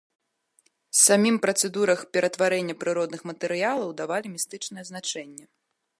Самім працэдурах ператварэння прыродных матэрыялаў давалі містычнае значэнне.